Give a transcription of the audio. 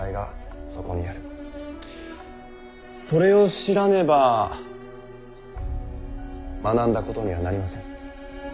それを知らねば学んだことにはなりません。